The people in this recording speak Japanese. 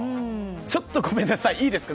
ちょっと、ごめんなさい。